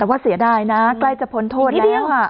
แต่ว่าเสียดายนะใกล้จะพ้นโทษแล้วค่ะ